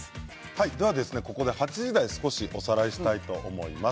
では、ここで８時台を少しおさらいしたいと思います。